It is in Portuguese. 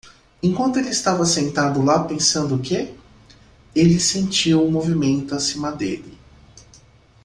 Enquanto ele estava sentado lá pensando que? ele sentiu o movimento acima dele.